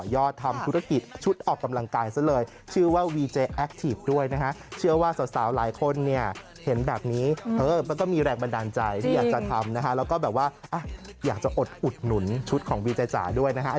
อยากจะอดหนุนชุดของมี๋จัยตัวจ๋าด้วยนะครับ